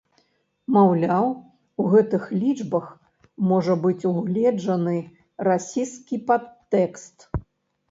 Маўляў, у гэтых лічбах можа быць угледжаны расісцкі падтэкст.